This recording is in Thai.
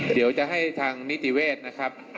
เดี๋ยวจะให้ทางนิติเวศนะครับ